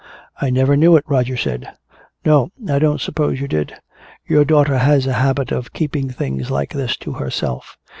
"I never knew it," Roger said. "No I don't suppose you did. Your daughter has a habit of keeping things like this to herself.